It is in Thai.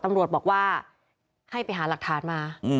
ตำรวจบอกว่าให้ไปหาหลักฐานมา